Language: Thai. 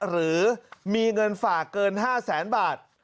หรือมีเงินฝากเกิน๕แสนบาท